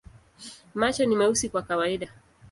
Macho ni meusi kwa kawaida.